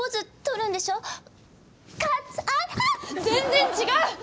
全然違う！